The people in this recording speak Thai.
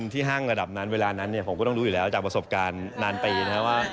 ห้างระดับนั้นเวลานั้นผมก็ต้องรู้อยู่แล้วจากประสบการณ์นานปีนะครับว่า